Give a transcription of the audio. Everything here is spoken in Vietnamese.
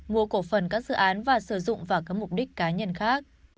mua cổ phần các dự án và sử dụng vào các mục đích cá nhân khác